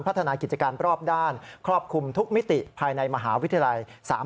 พัฒนากิจการรอบด้านครอบคลุมทุกมิติภายในมหาวิทยาลัย